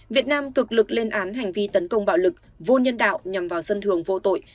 việt nam cực lực lên án hành vi tấn công bạo lực vô nhân đạo nhằm vào dân thường vô tội